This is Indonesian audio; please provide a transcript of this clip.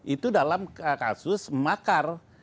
itu dalam kasus makar